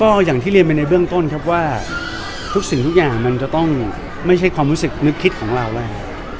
ก็อย่างที่เรียนไปในเบื้องต้นครับว่าทุกสิ่งทุกอย่างมันจะต้องไม่ใช่ความรู้สึกนึกคิดของเราแล้ว